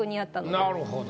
なるほど。